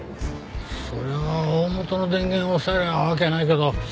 そりゃあ大本の電源押さえりゃあわけないけど。